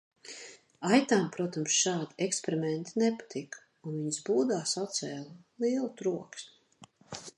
Aitām protams šādi eksperimenti nepatika un viņas būdā sacēla lielu troksni.